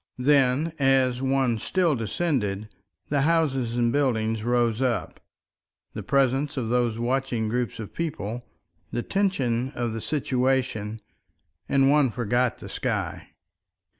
Then, as one still descended, the houses and buildings rose up, the presence of those watching groups of people, the tension of the situation; and one forgot the sky.